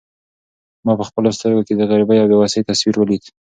ما په خپلو سترګو کې د غریبۍ او بې وسۍ تصویر ولید.